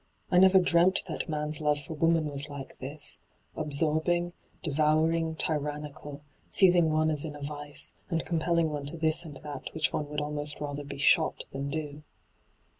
I never dreamt that man's love for woman was like this — absorb ing, devouring, tyrannical, seizing one as in a vioe, and compelling one to this and that which one would almost rather be shot than do.'